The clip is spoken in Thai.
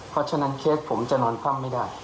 เพราะฉะนั้นเคสผมจะนอนคว่ำไม่ได้